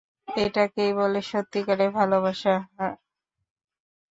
এটাকেই বলে সত্যিকারের ভালোবাসা, হাহ?